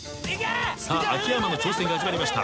さあ秋山の挑戦が始まりました。